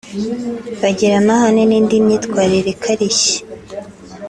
bagira amahane n’indi myitwarire ikarishye